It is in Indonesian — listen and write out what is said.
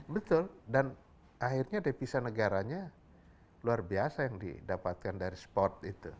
betul dan akhirnya devisa negaranya luar biasa yang didapatkan dari sport itu